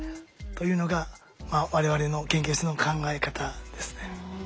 というのが我々の研究室の考え方ですね。